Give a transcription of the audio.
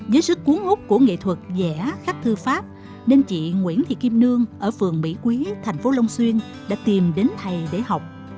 với sức cuốn hút của nghệ thuật dẻ khắc thư pháp nên chị nguyễn thị kim nương ở phường mỹ quý thành phố long xuyên đã tìm đến thầy để học